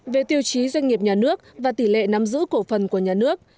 về tiêu chí doanh nghiệp nhà nước và tỷ lệ nắm giữ cổ phần của nhà nước